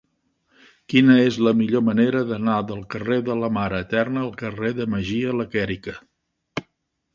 Quina és la millor manera d'anar del carrer de la Mare Eterna al carrer de Mejía Lequerica?